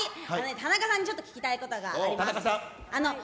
田中さんにちょっと聞きたいこと田中さん。